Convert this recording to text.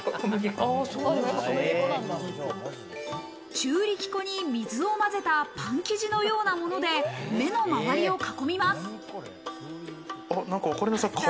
中力粉に水をまぜたパン生地のようなもので目の周りを囲みます。